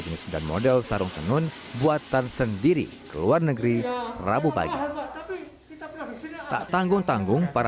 jenis dan model sarung tenun buatan sendiri ke luar negeri rabu pagi tak tanggung tanggung para